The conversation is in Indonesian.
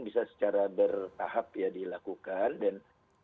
bisa secara bertahap ya dilakukan dan